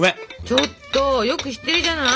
ちょっとよく知ってるじゃない！